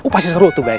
pasti seru tuh guys